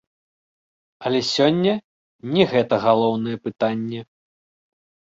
Але сёння не гэта галоўнае пытанне.